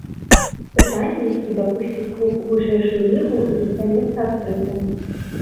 Пытанне, ці дапусцяць клуб у вышэйшую лігу, застаецца адкрытым.